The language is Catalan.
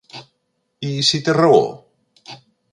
I si té raó?